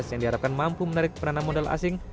yang diharapkan mampu menarik penanam modal asing